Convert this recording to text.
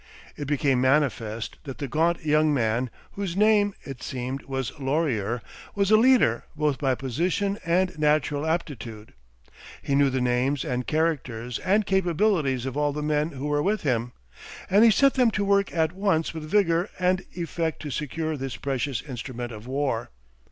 It became manifest that the gaunt young man, whose name, it seemed, was Laurier, was a leader both by position and natural aptitude. He knew the names and characters and capabilities of all the men who were with him, and he set them to work at once with vigour and effect to secure this precious instrument of war.